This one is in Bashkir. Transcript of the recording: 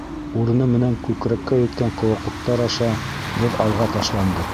Урыны менән күкрәккә еткән ҡыуаҡлыҡтар аша беҙ алға ташландыҡ.